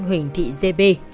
huỳnh thị d b